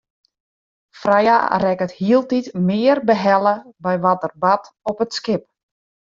Freya rekket hieltyd mear behelle by wat der bart op it skip.